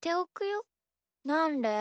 なんで？